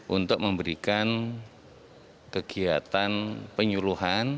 untuk memberikan kegiatan penyuluhan